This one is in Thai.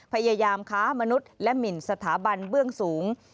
พยายามค้ามนุษย์และหมินสถาบันเบื้องสูง